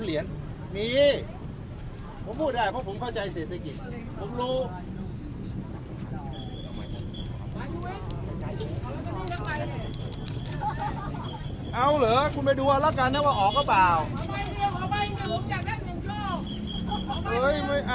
เฮ้ยไม่เอาไม่เอาไม่ใช่โยคนะรอผมถูกก่อนมาเจอผมตรงนี้